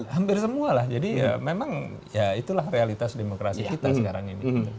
hampir semua lah jadi ya memang ya itulah realitas demokrasi kita sekarang ini